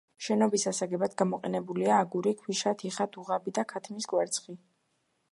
შენობის ასაგებად გამოყენებულია, აგური, ქვიშა, თიხა, დუღაბი და ქათმის კვერცხი.